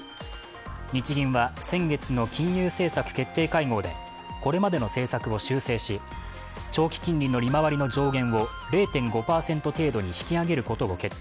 日銀は先月の金融政策決定会合でこれまでの政策を修正し長期金利の利回りの上限を０．５％程度に引き上げることを決定